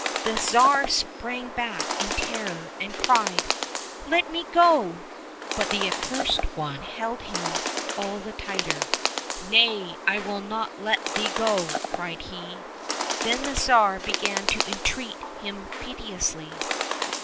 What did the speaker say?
The Tsar sprang back in terror, and cried, " Let me go !" But the Accursed One held him all the tighter. " Nay, I will not let thee go !" cried he. Then the Tsar began to entreat him piteously.